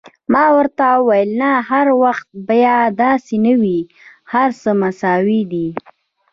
ما ورته وویل: نه، هر وخت بیا داسې نه وي، هر څه مساوي دي.